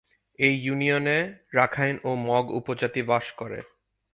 এ ইউনিয়নে রাখাইন ও মগ উপজাতি বাস করে।